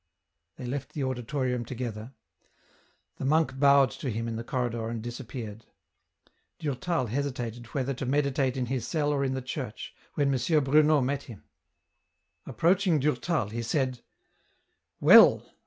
They left the auditorium together ; the monk bowed to him in the corridor and disappeared. Durtal hesitated whether to meditate in his cell or in the church, when M. Bruno met him. Approaching Durtal he said, *' Well